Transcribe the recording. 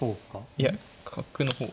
いや角の方が。